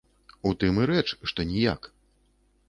У тым і рэч, што ніяк.